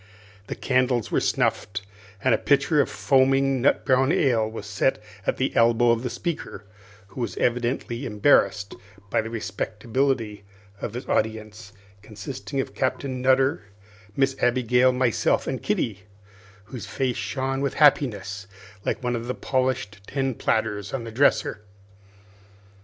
The candles were snuffed, and a pitcher of foaming nut brown ale was set at the elbow of the speaker, who was evidently embarrassed by the respectability of his audience, consisting of Captain Nutter, Miss Abigail, myself, and Kitty, whose face shone with happiness like one of the polished tin platters on the dresser.